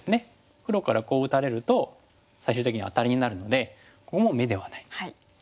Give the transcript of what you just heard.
黒からこう打たれると最終的にはアタリになるのでここも眼ではない。